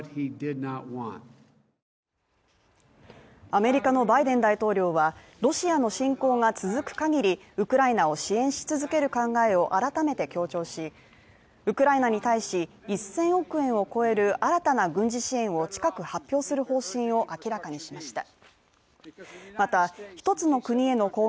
アメリカのバイデン大統領は、ロシアの侵攻が続くかぎり、ウクライナを支援し続ける考えを改めて強調しウクライナに対し１０００億円を超える新たな軍事支援を近く発表する方針を明らかにしました。